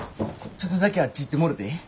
ちょっとだけあっち行ってもろてええ？